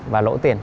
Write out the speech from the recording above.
và lỗ tiền